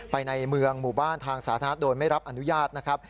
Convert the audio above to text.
ในเมืองหมู่บ้านทางสาธารณะโดยไม่รับอนุญาตนะครับ